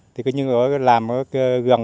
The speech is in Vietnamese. thì cứ như ở làm gần